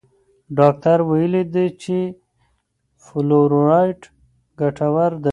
ډاکټر ویلي دي چې فلورایډ ګټور دی.